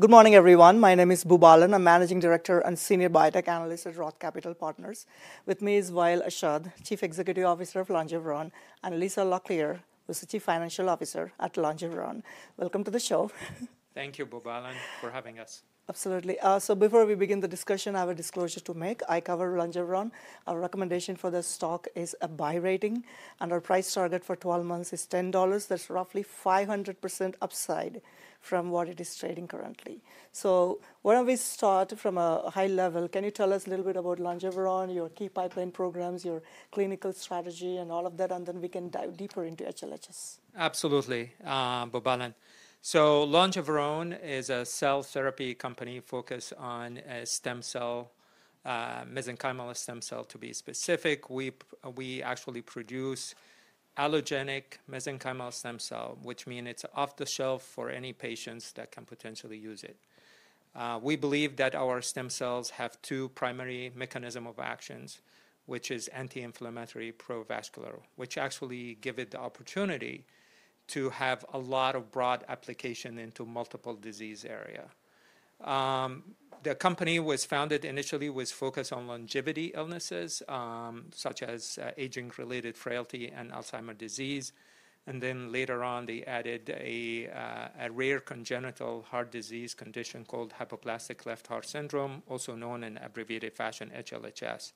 Good morning, everyone. My name is Boobalan Pachaiyappan. I'm Managing Director and Senior Biotech Analyst at ROTH Capital Partners. With me is Wa'el Hashad, Chief Executive Officer of Longeveron, and Lisa Locklear, who's the Chief Financial Officer at Longeveron. Welcome to the show. Thank you, Boobalan, for having us. Absolutely. Before we begin the discussion, I have a disclosure to make. I cover Longeveron. Our recommendation for this stock is a buy rating, and our price target for 12 months is $10. That's roughly 500% upside from what it is trading currently. Why don't we start from a high level? Can you tell us a little bit about Longeveron, your key pipeline programs, your clinical strategy, and all of that? Then we can dive deeper into HLHS. Absolutely, Boobalan. Longeveron is a cell therapy company focused on stem cell, mesenchymal stem cell to be specific. We actually produce allogeneic mesenchymal stem cells, which means it's off the shelf for any patients that can potentially use it. We believe that our stem cells have two primary mechanisms of action, which are anti-inflammatory and pro-vascular, which actually give it the opportunity to have a lot of broad application into multiple disease areas. The company was founded initially with a focus on longevity illnesses such as aging-related frailty and Alzheimer's disease. Later on, they added a rare congenital heart disease condition called hypoplastic left heart syndrome, also known in abbreviated fashion as HLHS.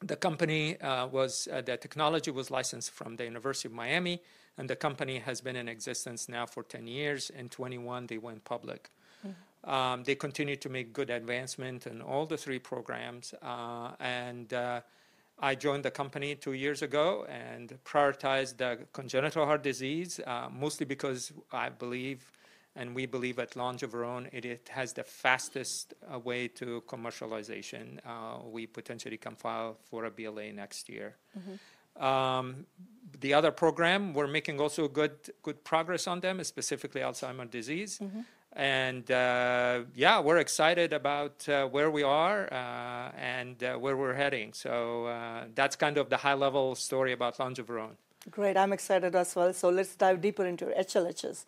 The technology was licensed from the University of Miami, and the company has been in existence now for 10 years. In 2021, they went public. They continue to make good advancements in all the three programs. I joined the company two years ago and prioritized the congenital heart disease, mostly because I believe, and we believe at Longeveron, it has the fastest way to commercialization. We potentially can file for a BLA next year. The other program, we're making also good progress on them, specifically Alzheimer's disease. Yeah, we're excited about where we are and where we're heading. That's kind of the high-level story about Longeveron. Great. I'm excited as well. Let's dive deeper into HLHS.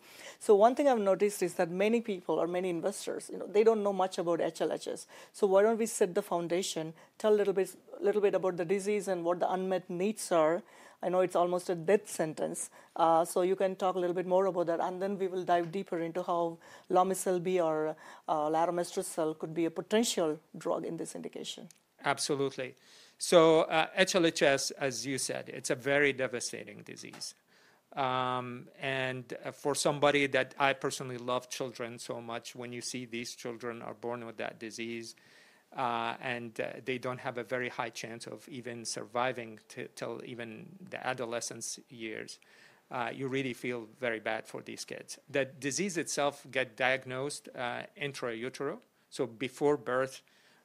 One thing I've noticed is that many people, or many investors, they don't know much about HLHS. Why don't we set the foundation, tell a little bit about the disease and what the unmet needs are? I know it's almost a death sentence. You can talk a little bit more about that. We will dive deeper into how Lomecel-B or laromestrocel could be a potential drug in this indication. Absolutely. HLHS, as you said, it's a very devastating disease. For somebody that, I personally love children so much, when you see these children are born with that disease and they don't have a very high chance of even surviving till even the adolescence years, you really feel very bad for these kids. The disease itself gets diagnosed intrauterine. Before birth,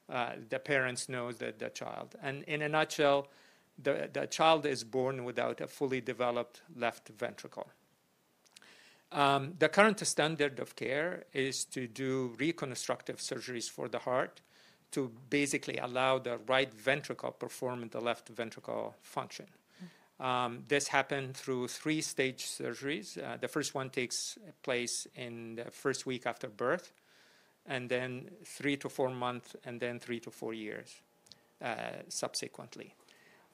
the parents know that the child, and in a nutshell, the child is born without a fully developed left ventricle. The current standard of care is to do reconstructive surgeries for the heart to basically allow the right ventricle to perform the left ventricle function. This happens through three-stage surgeries. The first one takes place in the first week after birth, and then three to four months, and then three to four years subsequently.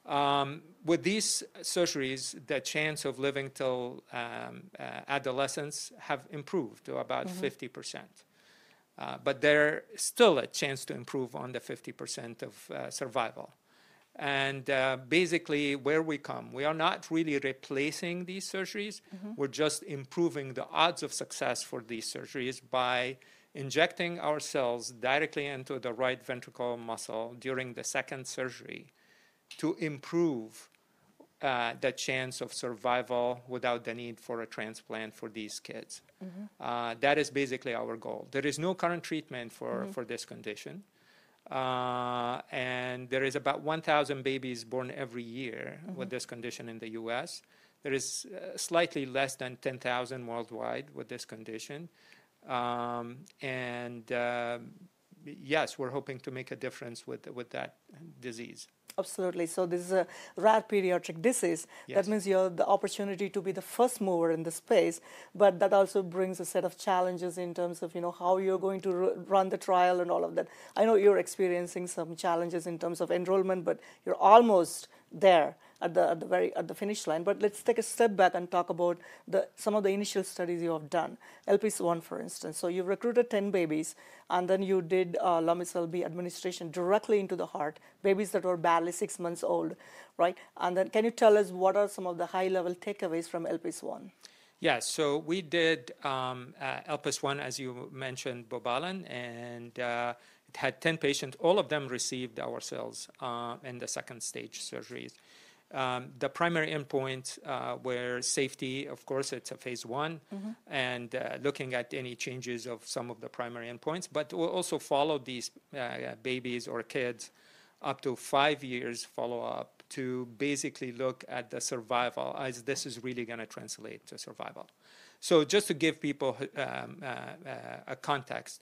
With these surgeries, the chance of living till adolescence has improved to about 50%. There is still a chance to improve on the 50% of survival. Basically, where we come, we are not really replacing these surgeries. We're just improving the odds of success for these surgeries by injecting our cells directly into the right ventricle muscle during the second surgery to improve the chance of survival without the need for a transplant for these kids. That is basically our goal. There is no current treatment for this condition. There are about 1,000 babies born every year with this condition in the U.S. There are slightly less than 10,000 worldwide with this condition. Yes, we're hoping to make a difference with that disease. Absolutely. This is a rare pediatric disease. That means you have the opportunity to be the first mover in the space. That also brings a set of challenges in terms of how you're going to run the trial and all of that. I know you're experiencing some challenges in terms of enrollment, but you're almost there at the finish line. Let's take a step back and talk about some of the initial studies you have done. ELPIS I, for instance. You recruited 10 babies, and then you did Lomecel-B administration directly into the heart, babies that were barely six months old. Right? Can you tell us what are some of the high-level takeaways from ELPIS I? Yes. We did ELPIS I, as you mentioned, Boobalan, and it had 10 patients. All of them received our cells in the second-stage surgeries. The primary endpoint was safety. Of course, it's a phase one and looking at any changes of some of the primary endpoints. We also followed these babies or kids up to five years follow-up to basically look at the survival as this is really going to translate to survival. Just to give people a context,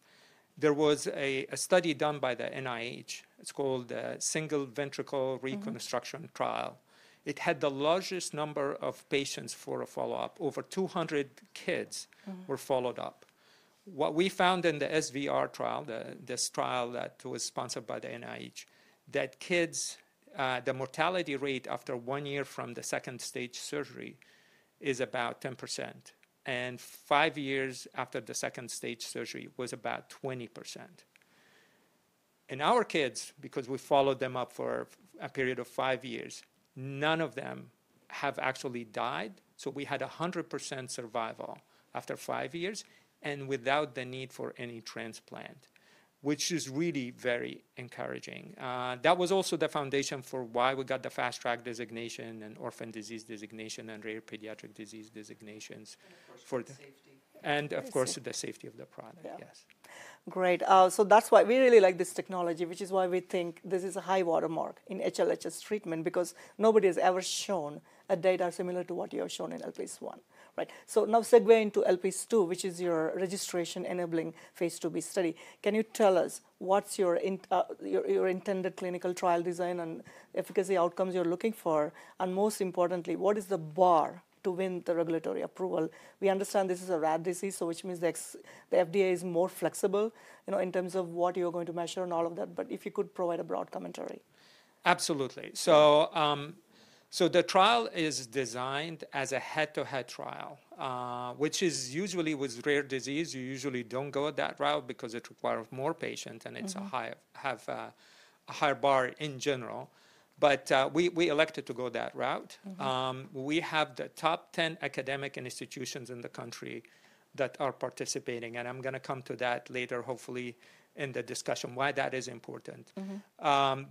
there was a study done by the NIH. It's called the Single Ventricle Reconstruction trial. It had the largest number of patients for a follow-up. Over 200 kids were followed up. What we found in the SVR trial, this trial that was sponsored by the NIH, that kids, the mortality rate after one year from the second-stage surgery is about 10%. Five years after the second-stage surgery was about 20%. In our kids, because we followed them up for a period of five years, none of them have actually died. We had 100% survival after five years and without the need for any transplant, which is really very encouraging. That was also the foundation for why we got the Fast Track Designation and Orphan Disease Designation and Rare Pediatric Disease Designations. Of course, the safety. Of course, the safety of the product. Yes. Great. That is why we really like this technology, which is why we think this is a high watermark in HLHS treatment because nobody has ever shown data similar to what you have shown in ELPIS I. Right? Now segueing to ELPIS II, which is your registration-enabling phase IIb study. Can you tell us what is your intended clinical trial design and efficacy outcomes you are looking for? Most importantly, what is the bar to win the regulatory approval? We understand this is a rare disease, which means the FDA is more flexible in terms of what you are going to measure and all of that. If you could provide a broad commentary. Absolutely. The trial is designed as a head-to-head trial, which is usually with rare disease. You usually do not go that route because it requires more patients and it is a higher bar in general. We elected to go that route. We have the top 10 academic institutions in the country that are participating. I am going to come to that later, hopefully, in the discussion why that is important. All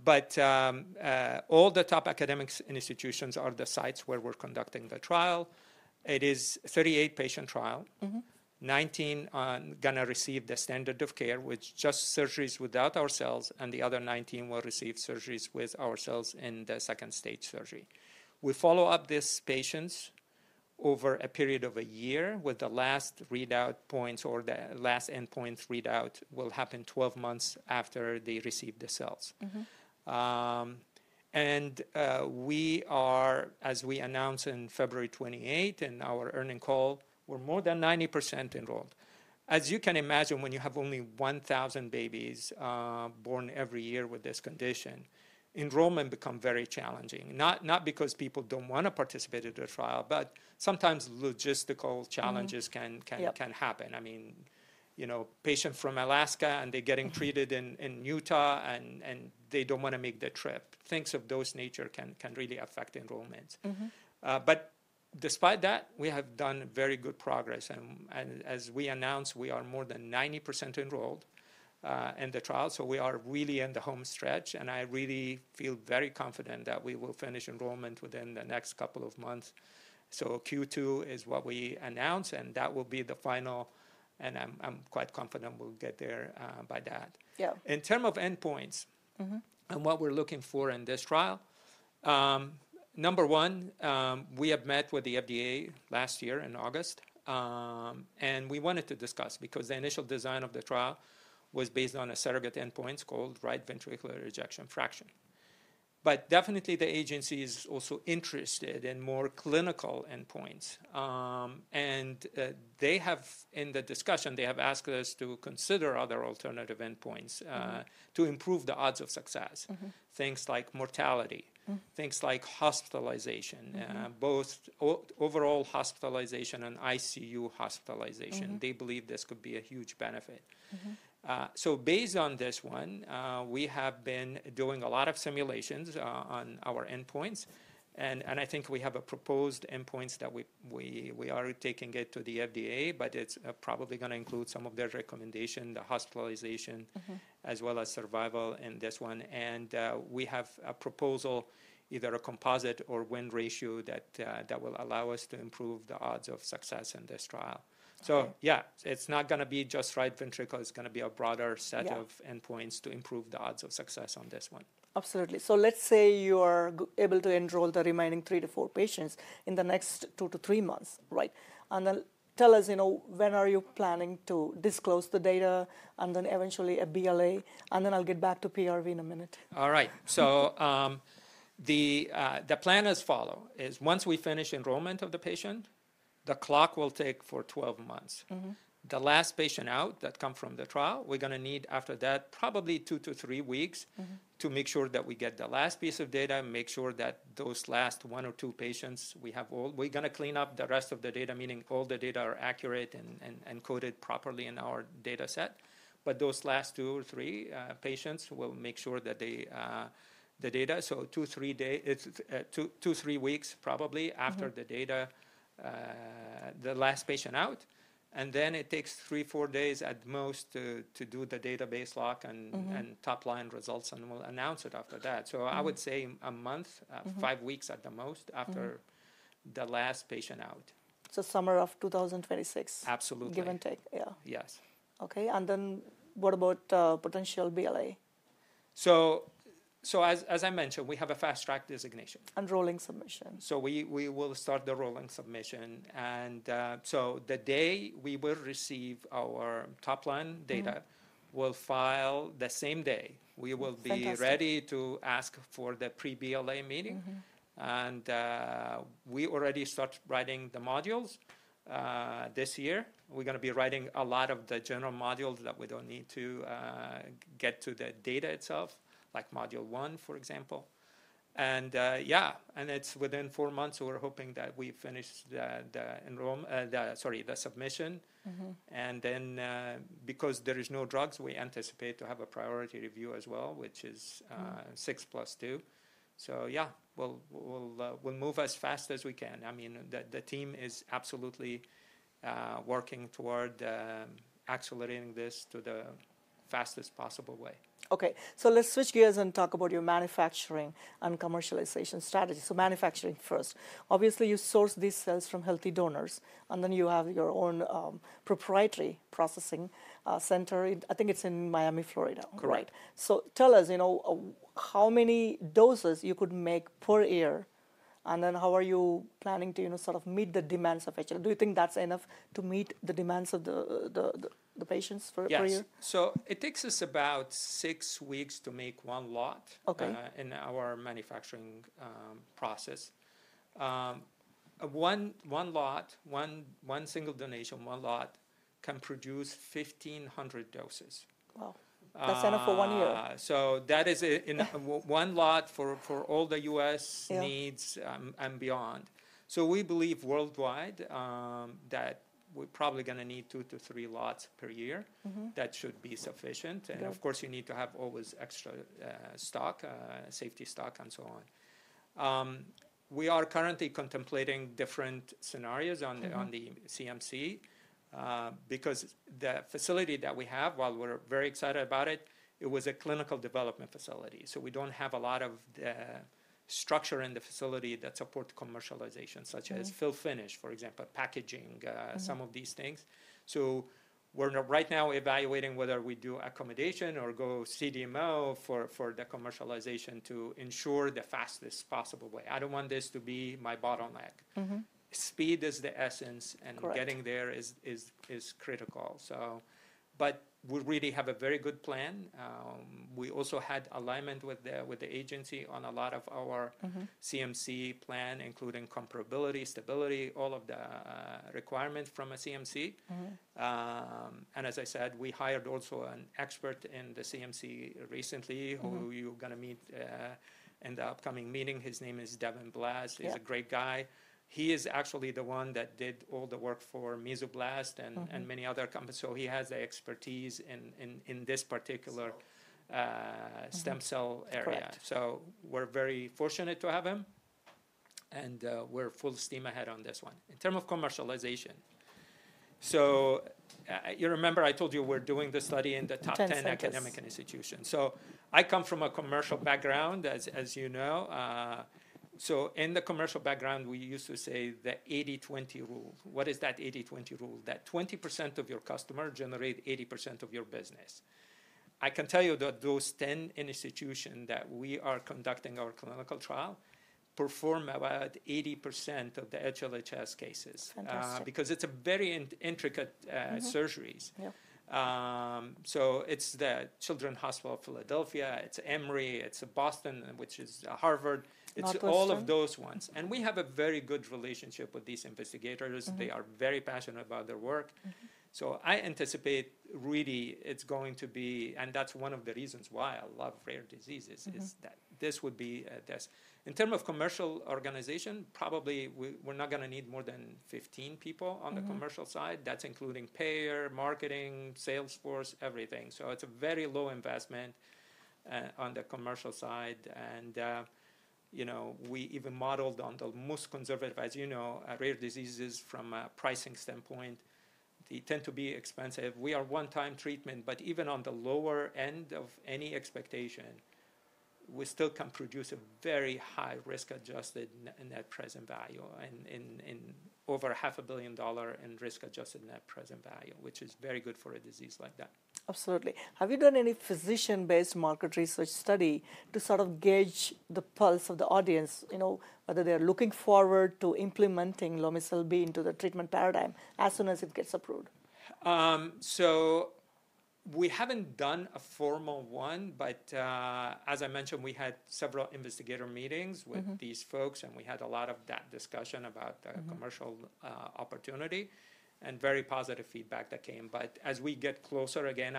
the top academic institutions are the sites where we are conducting the trial. It is a 38-patient trial. Nineteen are going to receive the standard of care with just surgeries without our cells, and the other 19 will receive surgeries with our cells in the second-stage surgery. We follow up these patients over a period of a year with the last readout points or the last endpoint readout will happen 12 months after they receive the cells. We are, as we announced in February 28 in our earning call, more than 90% enrolled. As you can imagine, when you have only 1,000 babies born every year with this condition, enrollment becomes very challenging. Not because people do not want to participate in the trial, but sometimes logistical challenges can happen. I mean, patients from Alaska and they are getting treated in Utah and they do not want to make the trip. Things of those nature can really affect enrollments. Despite that, we have done very good progress. As we announced, we are more than 90% enrolled in the trial. We are really in the home stretch. I really feel very confident that we will finish enrollment within the next couple of months. Q2 is what we announced, and that will be the final. I am quite confident we will get there by that. Yeah, in terms of endpoints and what we're looking for in this trial, number one, we have met with the FDA last year in August. We wanted to discuss because the initial design of the trial was based on a surrogate endpoint called right ventricular ejection fraction. The agency is also interested in more clinical endpoints. In the discussion, they have asked us to consider other alternative endpoints to improve the odds of success, things like mortality, things like hospitalization, both overall hospitalization and ICU hospitalization. They believe this could be a huge benefit. Based on this one, we have been doing a lot of simulations on our endpoints. I think we have proposed endpoints that we are taking to the FDA, but it's probably going to include some of their recommendations, the hospitalization, as well as survival in this one. We have a proposal, either a composite or win ratio, that will allow us to improve the odds of success in this trial. Yeah, it's not going to be just right ventricle. It's going to be a broader set of endpoints to improve the odds of success on this one. Absolutely. Let's say you are able to enroll the remaining three to four patients in the next two to three months. Right? Tell us, when are you planning to disclose the data and then eventually a BLA? I'll get back to PRV in a minute. All right. The plan as follows. Once we finish enrollment of the patient, the clock will take for 12 months. The last patient out that comes from the trial, we're going to need after that probably two to three weeks to make sure that we get the last piece of data, make sure that those last one or two patients we have all, we're going to clean up the rest of the data, meaning all the data are accurate and coded properly in our data set. Those last two or three patients, we'll make sure that the data, so two to three weeks probably after the data, the last patient out. It takes three, four days at most to do the database lock and top-line results. We'll announce it after that. I would say a month, five weeks at the most after the last patient out. Summer of 2026. Absolutely. Give and take. Yeah. Yes. Okay. What about potential BLA? As I mentioned, we have a Fast Track Designation. Rolling submission. We will start the rolling submission. The day we receive our top-line data, we'll file the same day. We will be ready to ask for the pre-BLA meeting. We already started writing the modules this year. We're going to be writing a lot of the general modules that we don't need to get to the data itself, like module one, for example. It's within four months. We're hoping that we finish the submission. Because there are no drugs, we anticipate to have a priority review as well, which is six plus two. We'll move as fast as we can. I mean, the team is absolutely working toward accelerating this to the fastest possible way. Okay. Let's switch gears and talk about your manufacturing and commercialization strategy. Manufacturing first. Obviously, you source these cells from healthy donors. Then you have your own proprietary processing center. I think it's in Miami, Florida. Correct. Tell us how many doses you could make per year. And then how are you planning to sort of meet the demands of HLHS? Do you think that's enough to meet the demands of the patients per year? Yes. It takes us about six weeks to make one lot in our manufacturing process. One lot, one single donation, one lot can produce 1,500 doses. Wow. That's enough for one year. That is one lot for all the US needs and beyond. We believe worldwide that we're probably going to need two to three lots per year. That should be sufficient. Of course, you need to have always extra stock, safety stock, and so on. We are currently contemplating different scenarios on the CMC because the facility that we have, while we're very excited about it, it was a clinical development facility. We do not have a lot of structure in the facility that supports commercialization, such as fill finish, for example, packaging, some of these things. We are right now evaluating whether we do accommodation or go CDMO for the commercialization to ensure the fastest possible way. I do not want this to be my bottleneck. Speed is the essence, and getting there is critical. We really have a very good plan. We also had alignment with the agency on a lot of our CMC plan, including comparability, stability, all of the requirements from a CMC. As I said, we hired also an expert in the CMC recently who you're going to meet in the upcoming meeting. His name is Devin Blass. He's a great guy. He is actually the one that did all the work for Mesoblast and many other companies. He has the expertise in this particular stem cell area. We're very fortunate to have him. We're full steam ahead on this one. In terms of commercialization, you remember I told you we're doing the study in the top 10 academic institutions. I come from a commercial background, as you know. In the commercial background, we used to say the 80/20 rule. What is that 80/20 rule? That 20% of your customer generates 80% of your business. I can tell you that those 10 institutions that we are conducting our clinical trial perform about 80% of the HLHS cases because it's very intricate surgeries. It's the Children's Hospital of Philadelphia. It's Emory. It's Boston, which is Harvard. It's all of those ones. We have a very good relationship with these investigators. They are very passionate about their work. I anticipate really it's going to be, and that's one of the reasons why I love rare diseases, is that this would be this. In terms of commercial organization, probably we're not going to need more than 15 people on the commercial side. That's including payer, marketing, sales force, everything. It's a very low investment on the commercial side. We even modeled on the most conservative, as you know, rare diseases from a pricing standpoint. They tend to be expensive. We are one-time treatment. Even on the lower end of any expectation, we still can produce a very high risk-adjusted net present value in over $500 million in risk-adjusted net present value, which is very good for a disease like that. Absolutely. Have you done any physician-based market research study to sort of gauge the pulse of the audience, whether they are looking forward to implementing Lomecel-B into the treatment paradigm as soon as it gets approved? We have not done a formal one. As I mentioned, we had several investigator meetings with these folks, and we had a lot of that discussion about the commercial opportunity and very positive feedback that came. As we get closer again,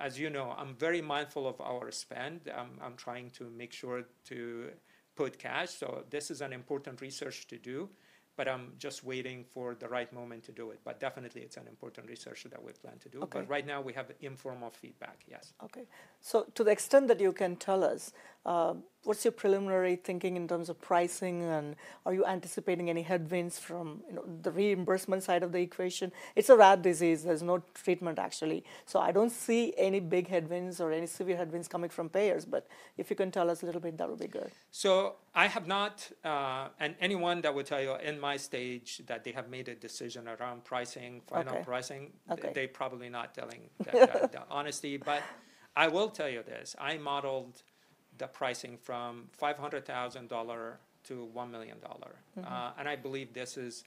as you know, I am very mindful of our spend. I am trying to make sure to put cash. This is an important research to do. I am just waiting for the right moment to do it. Definitely, it is an important research that we plan to do. Right now, we have informal feedback. Yes. Okay. To the extent that you can tell us, what's your preliminary thinking in terms of pricing? Are you anticipating any headwinds from the reimbursement side of the equation? It's a rare disease. There's no treatment, actually. I don't see any big headwinds or any severe headwinds coming from payers. If you can tell us a little bit, that would be good. I have not, and anyone that would tell you in my stage that they have made a decision around pricing, final pricing, they're probably not telling the honesty. I will tell you this. I modeled the pricing from $500,000 to $1 million. I believe this is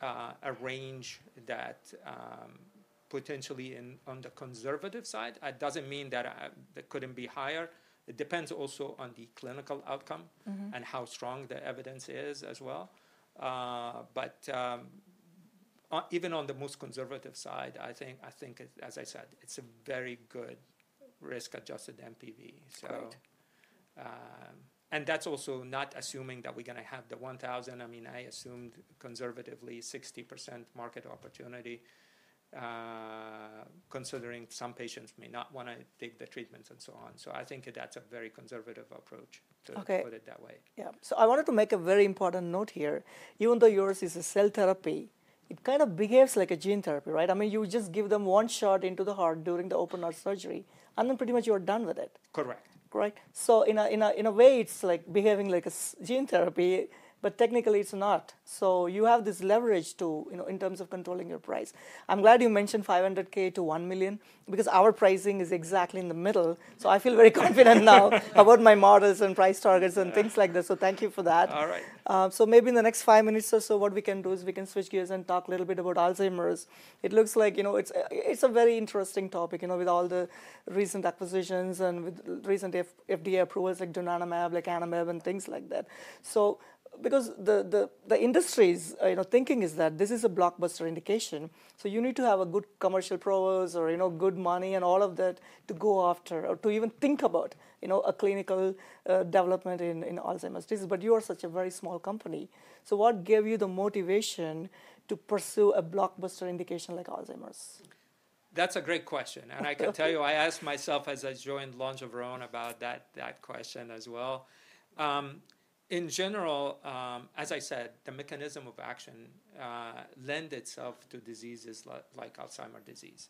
a range that potentially is on the conservative side. It does not mean that it could not be higher. It depends also on the clinical outcome and how strong the evidence is as well. Even on the most conservative side, I think, as I said, it is a very good risk-adjusted NPV. That is also not assuming that we are going to have the 1,000. I assumed conservatively 60% market opportunity, considering some patients may not want to take the treatments and so on. I think that is a very conservative approach to put it that way. Yeah. I wanted to make a very important note here. Even though yours is a cell therapy, it kind of behaves like a gene therapy, right? I mean, you just give them one shot into the heart during the open heart surgery. And then pretty much you're done with it. Correct. Correct? In a way, it's like behaving like a gene therapy. Technically, it's not. You have this leverage in terms of controlling your price. I'm glad you mentioned $500,000-$1 million because our pricing is exactly in the middle. I feel very confident now about my models and price targets and things like this. Thank you for that. All right. Maybe in the next five minutes or so, what we can do is we can switch gears and talk a little bit about Alzheimer's. It looks like it's a very interesting topic with all the recent acquisitions and with recent FDA approvals like donanemab, like lecanemab, and things like that. The industry's thinking is that this is a blockbuster indication. You need to have a good commercial proposal or good money and all of that to go after or to even think about a clinical development in Alzheimer's disease. You are such a very small company. What gave you the motivation to pursue a blockbuster indication like Alzheimer's? That's a great question. I can tell you, I asked myself as I joined Longeveron about that question as well. In general, as I said, the mechanism of action lends itself to diseases like Alzheimer's disease.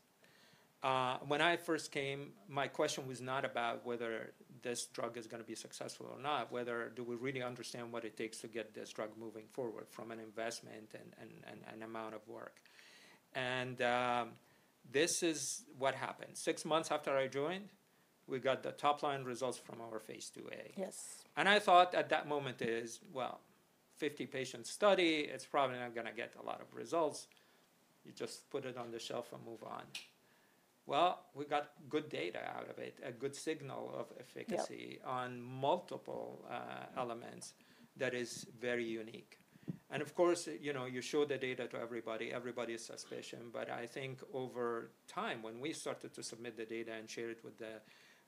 When I first came, my question was not about whether this drug is going to be successful or not, whether do we really understand what it takes to get this drug moving forward from an investment and an amount of work. This is what happened. Six months after I joined, we got the top-line results from our phase 2a. Yes. I thought at that moment is, well, 50-patient study. It's probably not going to get a lot of results. You just put it on the shelf and move on. We got good data out of it, a good signal of efficacy on multiple elements that is very unique. Of course, you show the data to everybody. Everybody is suspicious. I think over time, when we started to submit the data and share it with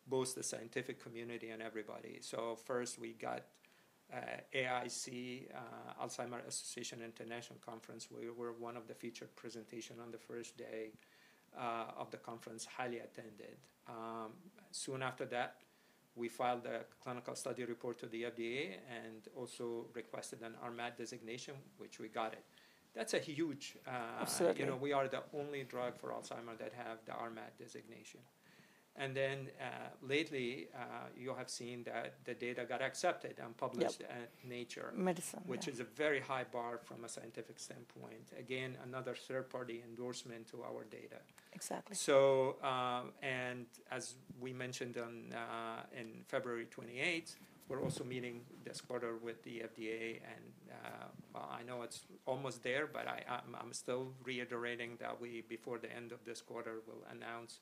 both the scientific community and everybody. First, we got AAIC, Alzheimer's Association International Conference. We were one of the featured presentations on the first day of the conference, highly attended. Soon after that, we filed a clinical study report to the FDA and also requested an RMAT designation, which we got. That's a huge. Absolutely. We are the only drug for Alzheimer's that has the RMAT designation. You have seen that the data got accepted and published in Nature. Medicine. Which is a very high bar from a scientific standpoint. Again, another third-party endorsement to our data. Exactly. As we mentioned on February 28, we're also meeting this quarter with the FDA. I know it's almost there. I'm still reiterating that we, before the end of this quarter, will announce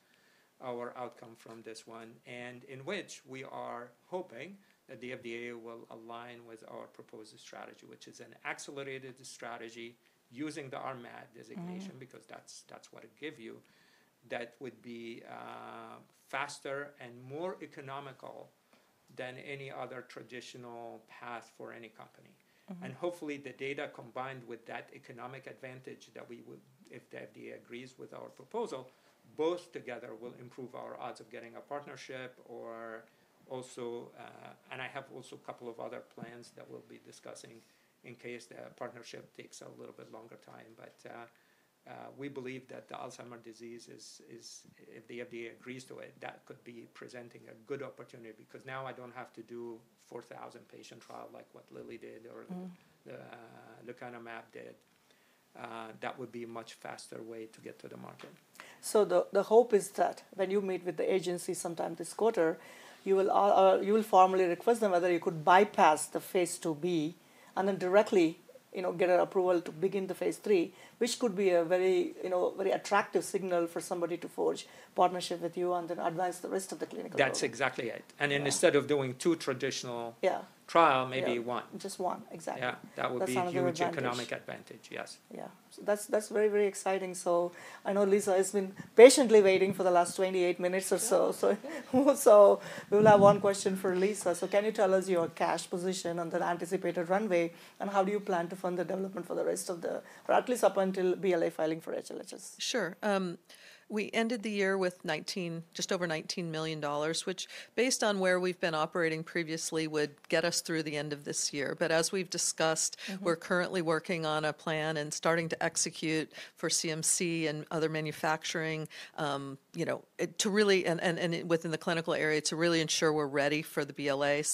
our outcome from this one, in which we are hoping that the FDA will align with our proposed strategy, which is an accelerated strategy using the RMAT designation because that's what it gives you. That would be faster and more economical than any other traditional path for any company. Hopefully, the data combined with that economic advantage that we would, if the FDA agrees with our proposal, both together will improve our odds of getting a partnership or also, and I have also a couple of other plans that we'll be discussing in case the partnership takes a little bit longer time. We believe that the Alzheimer's disease, if the FDA agrees to it, that could be presenting a good opportunity because now I don't have to do a 4,000-patient trial like what Lilly did or the lecanemab did. That would be a much faster way to get to the market. The hope is that when you meet with the agency sometime this quarter, you will formally request them whether you could bypass the phase IIB and then directly get an approval to begin the phase 3, which could be a very attractive signal for somebody to forge a partnership with you and then advise the rest of the clinical group. That's exactly it. Instead of doing two traditional trials, maybe one. Just one. Exactly. Yeah. That would be a huge economic advantage. Yes. Yeah. That's very, very exciting. I know Lisa has been patiently waiting for the last 28 minutes or so. We will have one question for Lisa. Can you tell us your cash position on the anticipated runway? How do you plan to fund the development for the rest of the or at least up until BLA filing for HLHS? Sure. We ended the year with just over $19 million, which based on where we've been operating previously would get us through the end of this year. As we've discussed, we're currently working on a plan and starting to execute for CMC and other manufacturing to really, and within the clinical area, to really ensure we're ready for the BLA.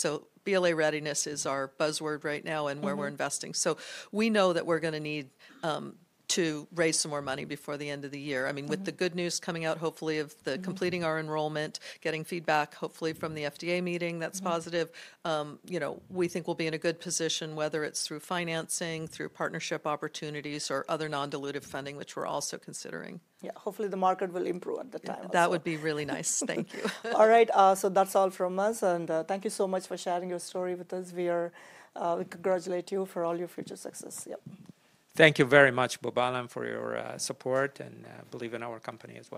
BLA readiness is our buzzword right now and where we're investing. We know that we're going to need to raise some more money before the end of the year. I mean, with the good news coming out, hopefully, of completing our enrollment, getting feedback, hopefully, from the FDA meeting that's positive, we think we'll be in a good position, whether it's through financing, through partnership opportunities, or other non-dilutive funding, which we're also considering. Yeah. Hopefully, the market will improve at that time. That would be really nice. Thank you. All right. That's all from us. Thank you so much for sharing your story with us. We congratulate you for all your future success. Yeah. Thank you very much, Boobalan, for your support. I believe in our company as well.